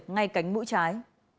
ngay cánh mũi trái